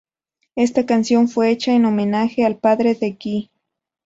Esta canción fue hecha en homenaje al padre de Gee.